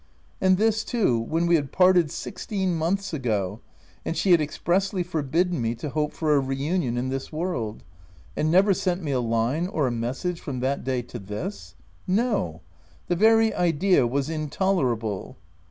and this too, when we had parted sixteen months ago, and she had expressly forbidden me to hope for a re union in this world — and never sent me a line or a message from that day to this ? No ! The very idea was intolerable.